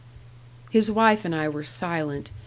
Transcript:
His wife and I were silent.